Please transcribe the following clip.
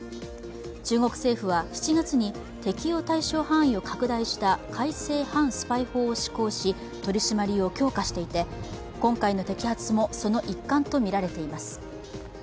中国政府は７月に適用対象範囲を拡大した改正反スパイ法を施行し取り締まりを強化していて今回の摘発もその一環とみられています。